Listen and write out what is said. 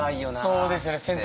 そうですよね。